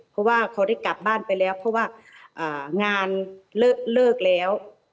เพราะว่าเขาได้กลับบ้านไปแล้วเพราะว่างานเลิกแล้ว